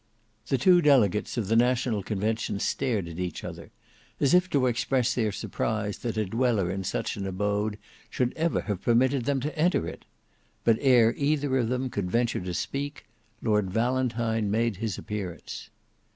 The two delegates of the National Convention stared at each other, as if to express their surprise that a dweller in such an abode should ever have permitted them to enter it; but ere either of them could venture to speak, Lord Valentine made his appearance.